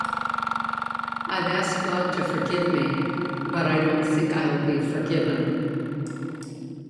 I've asked God to forgive me, but I don't think I'll be forgiven.